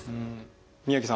宮城さん